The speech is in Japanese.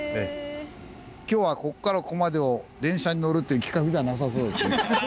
今日はここからここまでを電車に乗るという企画じゃなさそうですね。